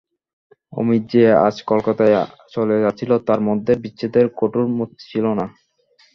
অমিত যে আজ কলকাতায় চলে যাচ্ছিল তার মধ্যে বিচ্ছেদের কঠোর মূর্তি ছিল না।